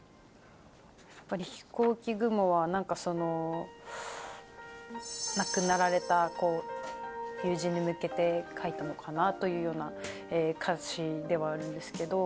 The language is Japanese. やっぱり『ひこうき雲』は亡くなられた友人に向けて書いたのかなというような歌詞ではあるんですけど。